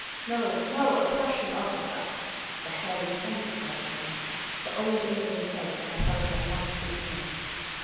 " No, no ; a Prussian officer." The Herr Lieutenant led, then. For Old England's sake, I felt I must beat him.